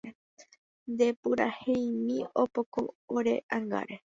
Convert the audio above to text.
Nde puraheimi opoko ore ángare